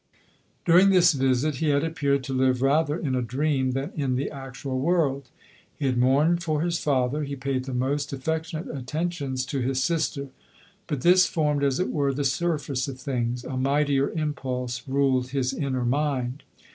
During this visit he had appeared to live rather in a dream than in the actual world. He had mourned for his father ; he paid the most affectionate attentions to his sister; but this formed, as it were, the surface of things; a mightier impulse ruled his inner mind.